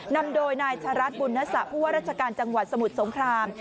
นำโดยนายชะรัฐบุญนศะผู้ว่าราชการจังหวัดสมุทรสงคราม